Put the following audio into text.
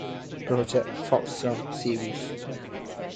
Project's "Folk Songs" series.